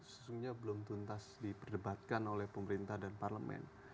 sesungguhnya belum tuntas diperdebatkan oleh pemerintah dan parlemen